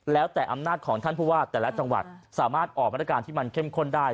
แล้วแต่อำนาจของท่านผู้ว่าแต่ละจังหวัดสามารถออกมาตรการที่มันเข้มข้นได้